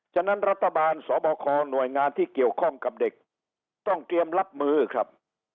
ฉะนั้นรัฐบาลสบคหน่วยงานที่เกี่ยวข้องกับเด็กต้องเตรียมรับมือครับ